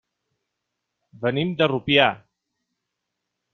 Venim de Rupià.